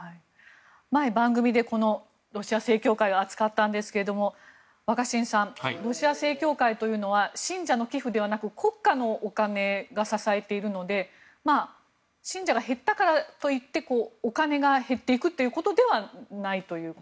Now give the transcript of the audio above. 前、番組でロシア正教会を扱ったんですが若新さんロシア正教会というのは信者の寄付ではなく国家のお金が支えているので信者が減ったからといってお金が減っていくということではないと。